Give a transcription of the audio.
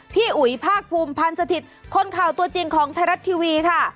อุ๋ยภาคภูมิพันธ์สถิตย์คนข่าวตัวจริงของไทยรัฐทีวีค่ะ